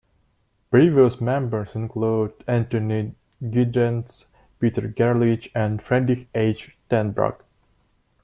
Previous members include Anthony Giddens, Peter Gerlich and Friedrich H. Tenbruck.